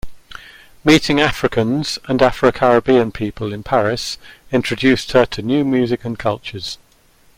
Meeting Africans and Afro-Caribbean people in Paris introduced her to new music and cultures.